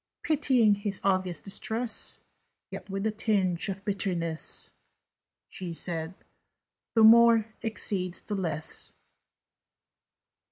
Pitying his obvious distress, Yet with a tinge of bitterness, She said "The More exceeds the Less."